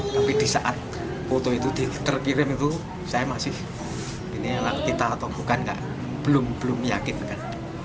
tapi di saat foto itu terkirim itu saya masih ini anak kita atau bukan belum meyakinkan